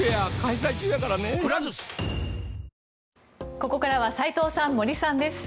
ここからは斎藤さん、森さんです。